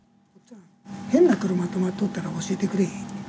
変な車止まっとったら教えてくれって。